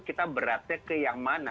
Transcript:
kita beratnya ke yang mana